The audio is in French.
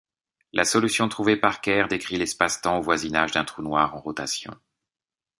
La solution trouvée par Kerr décrit l'espace-temps au voisinage d'un trou noir en rotation.